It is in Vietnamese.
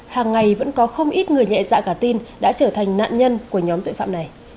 hàng ngày vẫn có không ít người nhẹ dạ cả tin đã trở thành nạn nhân của nhóm tội phạm này